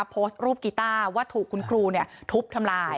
โพสต์รูปกีต้าว่าถูกคุณครูทุบทำลาย